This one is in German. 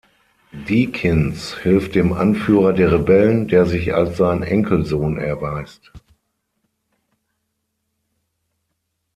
Deakins hilft dem Anführer der Rebellen, der sich als sein Enkelsohn erweist.